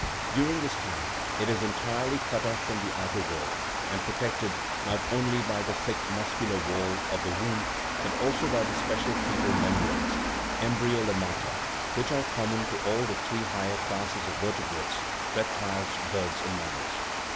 During this time it is entirely cut off from the outer world, and protected, not only by the thick muscular wall of the womb, but also by the special foetal membranes (em bryolemmata) which are common to all the three higher classes of vertebrates reptiles, birds, and mammals.